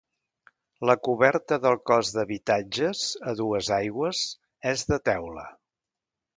La coberta del cos d'habitatges, a dues aigües, és de teula.